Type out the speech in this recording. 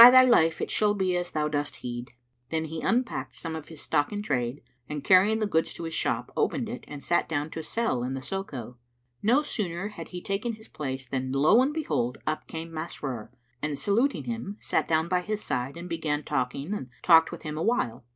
By thy life, it shall be as thou dost heed." Then he unpacked some of his stock in trade and carrying the goods to his shop, opened it and sat down to sell in the Soko.[FN#344] No sooner had he taken his place than lo and behold! up came Masrur and saluting him, sat down by his side and began talking and talked with him awhile.